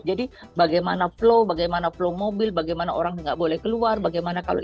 jadi bagaimana flow bagaimana flow mobil bagaimana orang tidak boleh keluar bagaimana kalau